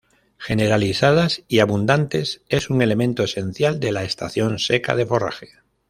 Generalizadas y abundantes, es un elemento esencial de la estación seca de forraje.